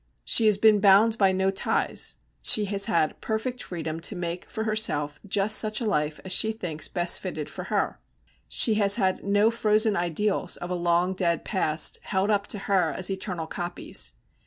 She has been bound by no ties, she has had perfect freedom to make for herself just such a life as she thinks best fitted for her. She has had no frozen ideals of a long dead past held up to her as eternal copies.